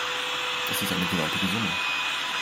Das ist eine gewaltige Summe.